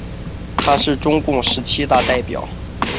他是中共十七大代表。